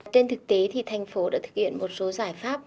trên thực tế thì thành phố đã thực hiện một số giải pháp